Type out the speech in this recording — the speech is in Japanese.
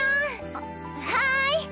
あっはい。